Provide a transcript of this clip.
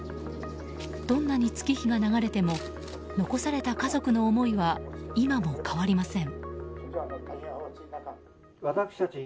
どんなに月日が流れても残された家族の思いは今も変わりません。